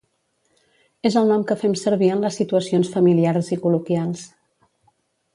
És el nom que fem servir en les situacions familiars i col·loquials.